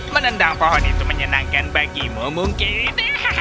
menendang pohon itu menyenangkan bagimu mungkin